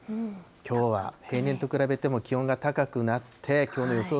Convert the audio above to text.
きょうは平年と比べても気温が高くなって、きょうの予想